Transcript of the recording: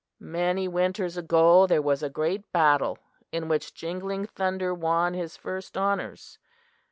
"Many winters ago there was a great battle, in which Jingling Thunder won his first honors.